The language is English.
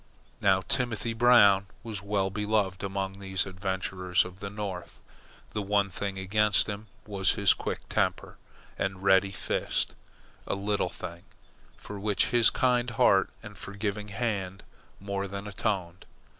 Now Timothy Brown was well beloved among these adventurers of the North. The one thing against him was his quick temper and ready fist a little thing, for which his kind heart and forgiving hand more than atoned.